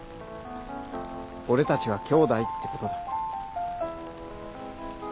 俺たちは兄妹ってことだ。